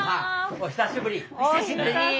お久しぶりです！